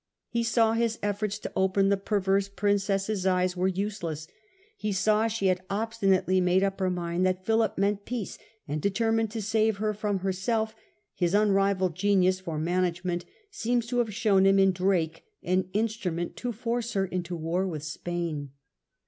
He saw his efforts to open the perverse Princess's eyes were useless; he saw she had obstinately made up her mind that Philip meant peace, and determined to save her from herself, his unrivalled genius for management seems to have shown him in Drake an instrument to force her into war with S^ain.